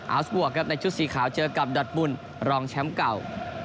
สบวกครับในชุดสีขาวเจอกับดอทบุญรองแชมป์เก่า